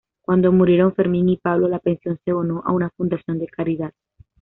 Cuando murieron Fermín y Pablo, la pensión se donó a una fundación de caridad.